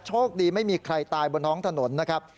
โชคดีไม่มีใครตายบนท้องถนนนะครับ